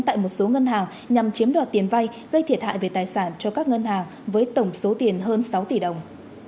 tại một số ngân hàng nhằm chiếm đoạt tiền vay gây thiệt hại về tài sản cho các ngân hàng với tổng số tiền hơn sáu tỷ đồng